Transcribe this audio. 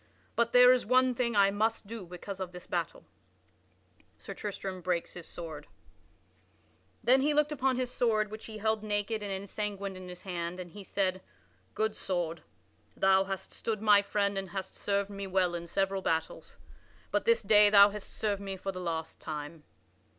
But there is one thing I must do because of this battle." [Sidenote: Sir Tristram breaks his sword] Then he looked upon his sword which he held naked and ensanguined in his hand and he said: "Good sword; thou hast stood my friend and hast served me well in several battles, but this day thou hast served me for the last time."